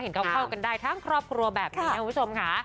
เข้ากันได้ทั้งครอบครัวแบบนี้นะคุณผู้ชมค่ะ